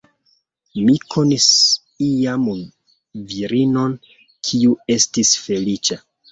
Mi konis iam virinon, kiu estis feliĉa.